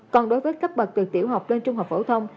còn đối với cấp bậc từ tiểu học lên trung học phổ thông